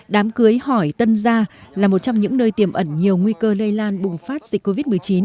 đám cưới hỏi tân gia là một trong những nơi tiềm ẩn nhiều nguy cơ lây lan bùng phát dịch covid một mươi chín